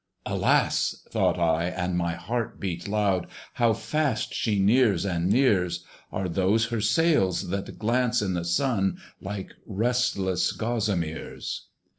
Alas! (thought I, and my heart beat loud) How fast she nears and nears! Are those her sails that glance in the Sun, Like restless gossameres!